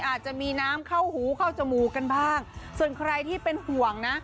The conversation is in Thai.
อาจจะมีน้ำเข้าหูเข้าจมูกกันบ้างส่วนใครที่เป็นห่วงนะ